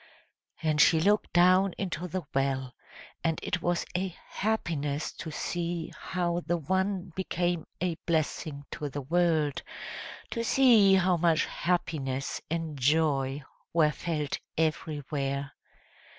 And she looked down into the well; and it was a happiness to see how the one became a blessing to the world, to see how much happiness and joy were felt everywhere.